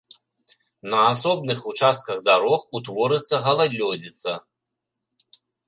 На асобных участках дарог утворыцца галалёдзіца.